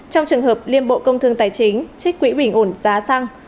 trong trường hợp liên bộ công thương tài chính trích quỹ bình ổn giá xăng